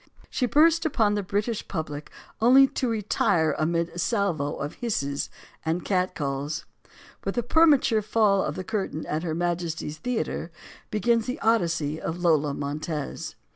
Then she burst upon the British public only to retire amid a salvo of hisses and catcalls. With the permature fall of the curtain at Her Ma jesty's Theater, begins the Odyssey of Lola Montez.